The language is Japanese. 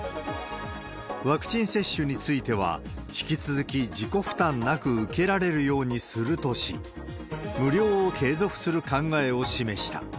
ワクチン接種については、引き続き自己負担なく受けられるようにするとし、無料を継続する考えを示した。